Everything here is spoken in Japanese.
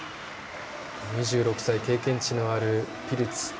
２６歳経験値のあるピルツ。